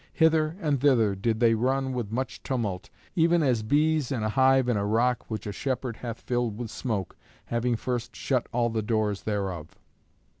Hither and thither did they run with much tumult, even as bees in a hive in a rock which a shepherd hath filled with smoke, having first shut all the doors thereof.